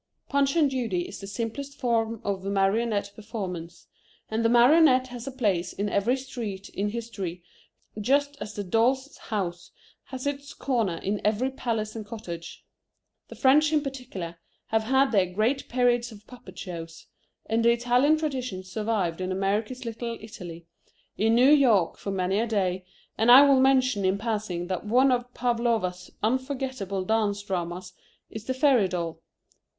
Punch and Judy is the simplest form of marionette performance, and the marionette has a place in every street in history just as the dolls' house has its corner in every palace and cottage. The French in particular have had their great periods of puppet shows; and the Italian tradition survived in America's Little Italy, in New York for many a day; and I will mention in passing that one of Pavlowa's unforgettable dance dramas is The Fairy Doll.